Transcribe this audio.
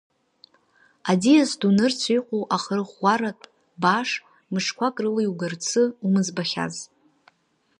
Аӡиас ду нырцә иҟоу ахырӷәӷәаратә бааш мышқәак рыла иугарцы умыӡбахьаз!